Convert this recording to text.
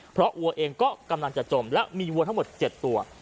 เพราะวัวเองก็กำลังจะจมและมีวัวทั้งหมด๗ตัว